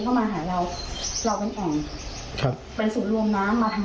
ก็เลยไม่ได้มีการถึงสอบอะไรกัน